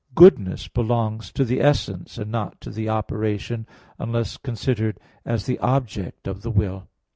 goodness belongs to the essence and not to the operation, unless considered as the object of the will.